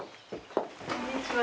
こんにちは。